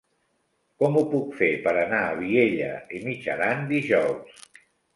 Com ho puc fer per anar a Vielha e Mijaran dijous?